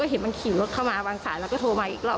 เห็นมันขี่รถเข้ามาวางสายแล้วก็โทรมาอีกรอบ